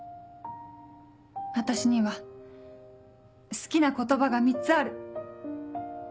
私には好きな言葉が３つある。